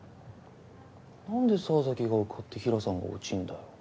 なんで沢崎が受かって平良さんが落ちんだよ。